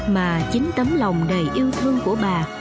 mà chính tấm lòng đầy yêu thương của bà